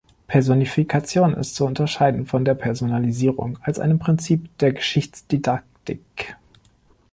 Personifikation ist zu unterscheiden von der Personalisierung als einem Prinzip der Geschichtsdidaktik.